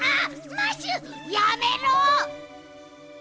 マッシュやめろ！